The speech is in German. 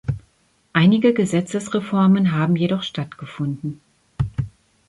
Einige Gesetzesreformen haben jedoch stattgefunden.